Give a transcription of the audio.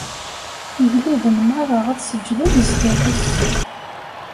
Igelliden merra ad seǧǧden sdat-s.